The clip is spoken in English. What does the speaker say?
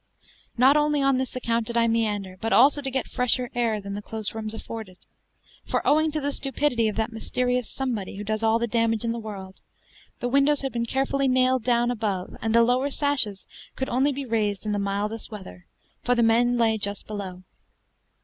Not only on this account did I meander, but also to get fresher air than the close rooms afforded; for owing to the stupidity of that mysterious "somebody" who does all the damage in the world, the windows had been carefully nailed down above, and the lower sashes could only be raised in the mildest weather, for the men lay just below.